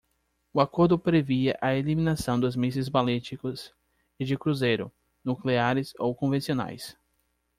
O acordo previa a eliminação dos mísseis balísticos e de cruzeiro, nucleares ou convencionais.